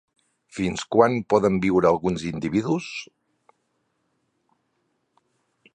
Fins quan poden viure alguns individus?